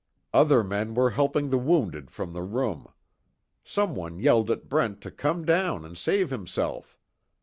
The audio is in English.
Other men were helping the wounded from the room. Someone yelled at Brent to come down and save himself.